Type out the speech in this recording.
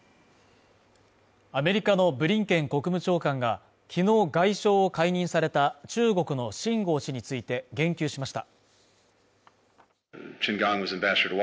アメリカのブリンケン国務長官がきのう外相を解任された中国の秦剛氏について言及しました